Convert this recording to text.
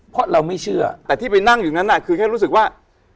เพราะเราไม่เชื่อแต่ที่ไปนั่งอยู่นั้นคือแค่รู้สึกว่า